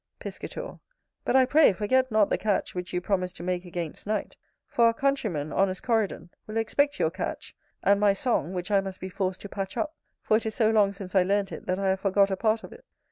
Piscator. But, I pray, forget not the catch which you promised to make against night; for our countryman, honest Coridon, will expect your catch, and my song, which I must be forced to patch up, for it is so long since I learnt it, that I have forgot a part of it.